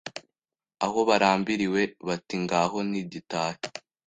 Aho barambiriwe, bati ngaho nigitahe